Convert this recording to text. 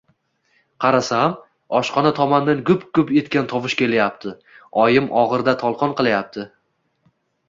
Qarasam, oshxona tomondan gup-gup etgan tovush kelyapti — oyim o‘g‘irda tolqon qilyapti.